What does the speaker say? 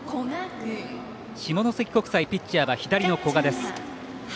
下関国際ピッチャーは左の古賀です。